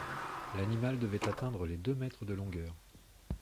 L'animal devait atteindre les deux mètres de longueur.